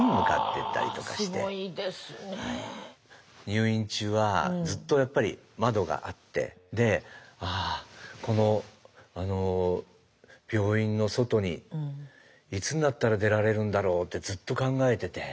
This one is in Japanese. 入院中はずっとやっぱり窓があってああこの病院の外にいつになったら出られるんだろうってずっと考えてて。